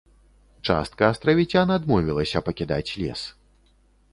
Частка астравіцян адмовілася пакідаць лес.